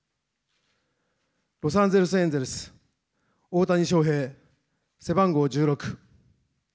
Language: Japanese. ロサンゼルスエンジェルス、大谷翔平、背番号１６。